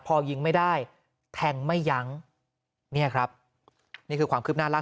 พอยิงไม่ได้แทงไม่ยั้งเนี่ยครับนี่คือความคืบหน้าล่าสุด